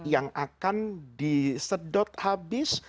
yang akan disedot habis